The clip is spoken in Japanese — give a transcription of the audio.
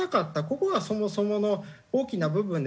ここがそもそもの大きな部分で我々は。